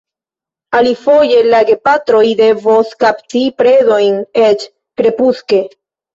Alifoje la gepatroj devos kapti predojn eĉ krepuske.